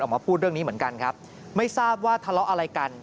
ออกมาพูดเรื่องนี้เหมือนกันครับไม่ทราบว่าทะเลาะอะไรกัน